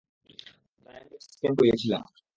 তাই আমি PET scan করিয়েছিলাম।